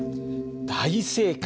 大正解！